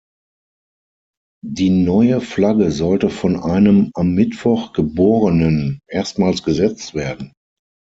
Die neue Flagge sollte von einem am Mittwoch Geborenen erstmals gesetzt werden.